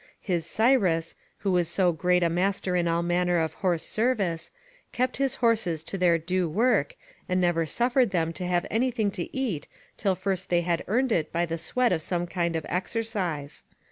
His Cyrus, who was so great a master in all manner of horse service, kept his horses to their due work, and never suffered them to have anything to eat till first they had earned it by the sweat of some kind of exercise.